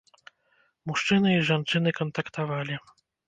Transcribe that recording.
Мужчыны і жанчыны кантактавалі.